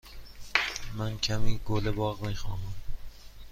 من کمی گل باغ می خواهم.